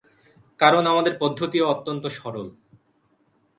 কারণ আমাদের পদ্ধতিও অত্যন্ত সরল।